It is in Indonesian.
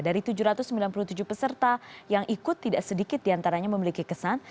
dari tujuh ratus sembilan puluh tujuh peserta yang ikut tidak sedikit diantaranya memiliki kesan